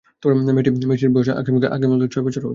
মেয়েটির বয়স আগামীকাল ছয় বছর হবে।